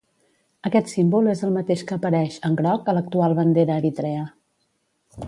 Aquest símbol és el mateix que apareix, en groc, a l'actual bandera eritrea.